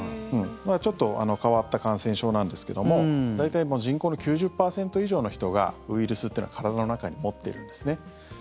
ちょっと変わった感染症なんですけども大体、人口の９０％以上の人がウイルスっていうのは体の中に持ってるんですね。